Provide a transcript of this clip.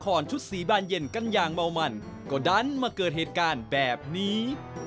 ชุดสีบานเย็นกันอย่างเมามันก็ดันมาเกิดเหตุการณ์แบบนี้